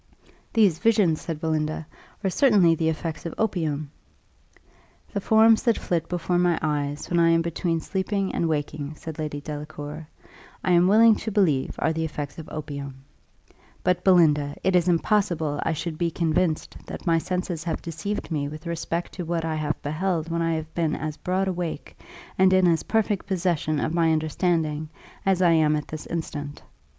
"These visions," said Belinda, "are certainly the effects of opium." "The forms that flit before my eyes when I am between sleeping and waking," said Lady Delacour, "I am willing to believe, are the effects of opium; but, Belinda, it is impossible I should be convinced that my senses have deceived me with respect to what I have beheld when I have been as broad awake, and in as perfect possession of my understanding as I am at this instant.